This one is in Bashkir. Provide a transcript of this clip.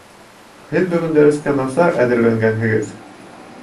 Һеҙ бөгөн дәрескә насар әҙерләнгәнһегеҙ